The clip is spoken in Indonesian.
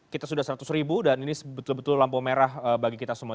kita sudah seratus ribu dan ini betul betul lampu merah bagi kita semua